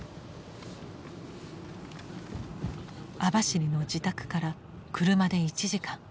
網走の自宅から車で１時間。